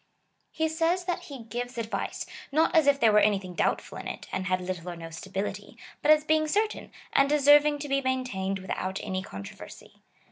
He says that he gives advice, not as if there were anything doubtful in it, and had little or no stability, but as being certain, and deserving to be maintained without any con troversy.